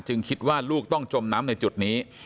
คิดว่าลูกต้องจมน้ำในจุดนี้